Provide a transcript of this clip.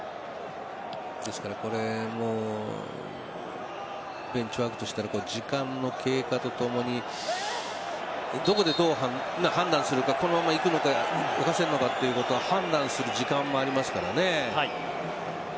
ですから、これベンチワークとしたら時間の経過とともにどこでどう判断するかこのままいくのか、浮かせるのか判断する時間もありますからね。